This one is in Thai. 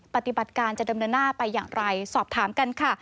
ปฏิบัติการจะดำเนินหน้าไปอย่างไรสอบถามกันค่ะ